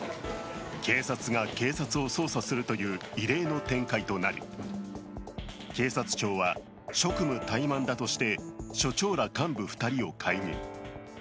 警察が警察を捜査するという異例の展開となり警察庁は、職務怠慢だとして署長ら幹部２人を解任。